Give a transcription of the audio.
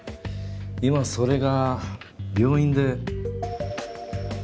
今それが病院で。